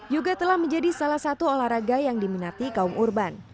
yoga telah menjadi salah satu olahraga yang diminati kaum urban